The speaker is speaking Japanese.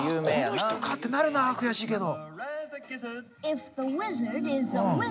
この人かってなるなあ悔しいけど。